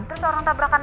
terus orang tabrakan